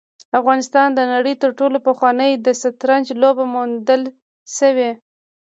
افغانستان د نړۍ تر ټولو پخوانی د شطرنج لوبه موندل شوې